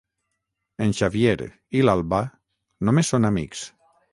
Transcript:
En Xavier i l'Alba només són amics.